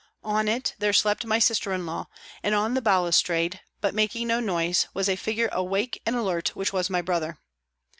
On it there slept my sister in law, and on the balustrade, but making no noise, was a figure awake and alert, which was my brother.